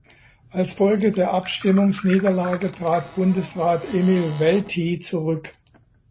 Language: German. Als Folge der Abstimmungsniederlage trat Bundesrat Emil Welti zurück.